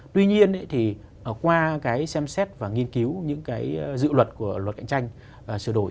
tuy nhiên thì qua cái xem xét và nghiên cứu những cái dự luật của luật cạnh tranh sửa đổi